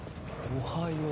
おはよう。